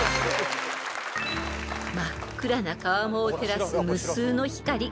［真っ暗な川面を照らす無数の光］